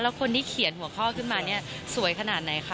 แล้วคนที่เขียนหัวข้อขึ้นมาเนี่ยสวยขนาดไหนคะ